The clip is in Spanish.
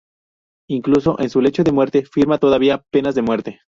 Incluso en su lecho de muerte firma todavía penas de muerte.